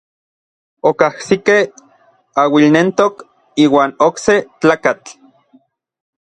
Okajsikej auilnentok iuan okse tlakatl.